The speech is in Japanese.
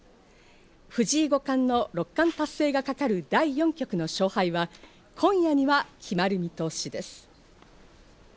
藤井五冠の六冠達成がかかる第４局の勝敗は今夜には決まる見通しです。